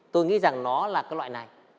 tôi nghĩ rằng nó là cái loại này